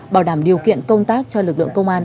bảo đảm điều kiện công tác cho lực lượng công an